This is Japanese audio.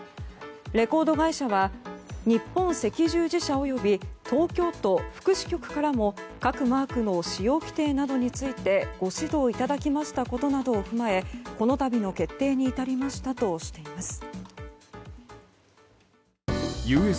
レコード会社は日本赤十字社及び東京都福祉局からも各マークの使用規定などについてご指導いただきましたことなどを踏まえ、このたびの決定に至りましたとしています。